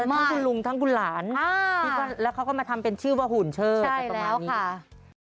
ทั้งคุณลุงทั้งคุณหลานแล้วเขาก็มาทำเป็นชื่อว่าหุ่นเชิดใช่แล้วค่ะ